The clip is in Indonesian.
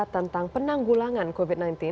tentang penanggulangan covid sembilan belas